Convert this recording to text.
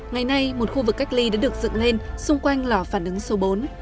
ngày nay một khu vực cách ly đã được dựng lên xung quanh lò phản ứng số bốn